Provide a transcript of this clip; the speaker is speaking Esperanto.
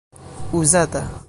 uzata